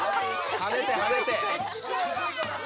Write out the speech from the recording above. はねて、はねて。